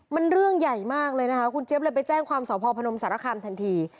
มันเรื่องใหญ่มากเลยนะคะคุณเจี๊ยบเลยไปแจ้งความสพพนมสารคามทันที